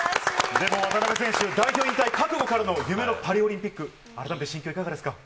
でも渡邊選手、代表引退覚悟の、夢のパリオリンピック、改めて心境いかがですか？